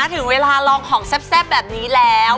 ถึงเวลาลองของแซ่บแบบนี้แล้ว